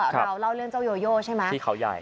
เราเล่าเรื่องเจ้าโยโยใช่ไหมที่เขาใหญ่